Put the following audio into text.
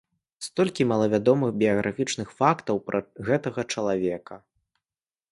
Столькі малавядомых біяграфічных фактаў пра гэтага чалавека.